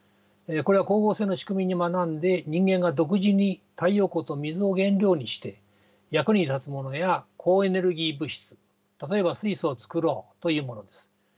これは光合成の仕組みに学んで人間が独自に太陽光と水を原料にして役に立つものや高エネルギー物質例えば水素を作ろうというものです。